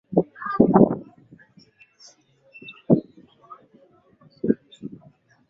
Mkoa wa mjini magharibi ndio wenye idadi kubwa ya watu